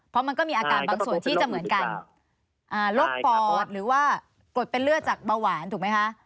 เพราะมันก็มีอาการบางส่วนที่จะเหมือนกันโรคปอดหรือว่ากดเป็นเลือดจากเบาหวานถูกไหมคะ